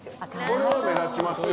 これは目立ちますよ。